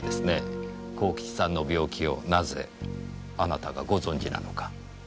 幸吉さんの病気をなぜあなたがご存じなのか。